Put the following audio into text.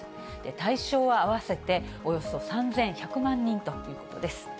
対象は合わせておよそ３１００万人ということです。